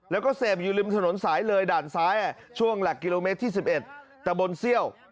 แล้วก็เสพอยู่ริมถนนสายเลยด่านซ้ายช่วงหลักกิโลเมตรที่๑๑ตะบนเซี่ยว